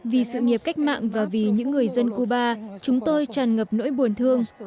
vì sự nghiệp cách mạng và vì những người dân cuba chúng tôi tràn ngập nỗi buồn thương